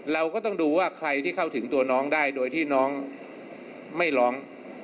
เราก็ต้องดูว่าใครที่เข้าถึงตัวน้องได้โดยที่น้องไม่ร้อง